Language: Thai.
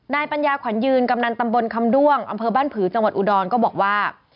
ปัญญาขวัญยืนกำนันตำบลคำด้วงอำเภอบ้านผือจังหวัดอุดรก็บอกว่า